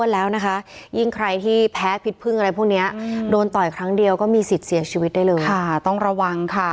แล้วนะคะยิ่งใครที่แพ้พิษพึ่งอะไรพวกนี้โดนต่อยครั้งเดียวก็มีสิทธิ์เสียชีวิตได้เลยค่ะต้องระวังค่ะ